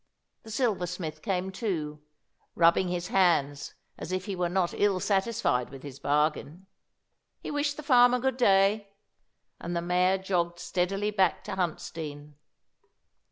The silversmith came too, rubbing his hands as if he were not ill satisfied with his bargain. He wished the farmer good day, and the mare jogged steadily back to Huntsdean.